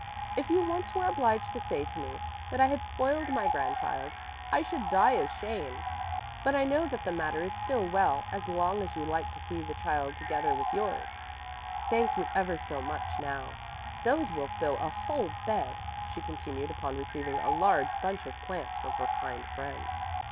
If you once were obliged to say to me that I had spoiled my grandchild, I should die of shame. But I know that the matter is still well, as long as you like to see the child together with yours. Thank you ever so much now. Those will fill a whole bed," she continued, upon receiving a large bunch of plants from her kind friend.